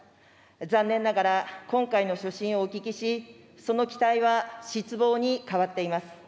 残念ながら、今回の所信をお聞きし、その期待は失望に変わっています。